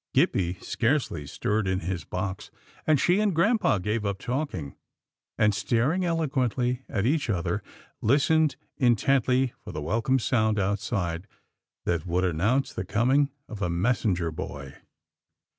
Gippie scarcely stirred in his box, and she and grampa gave up talking, and, staring eloquently at each other, lis tened intently for the welcome sound outside that would announce the coming of a messenger boy.